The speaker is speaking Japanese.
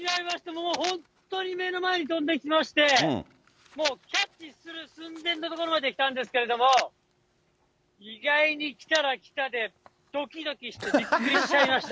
もう本当に目の前に飛んできまして、もうキャッチする寸前の所まできたんですけれども、意外に来たら来たでどきどきしてびっくりしちゃいました。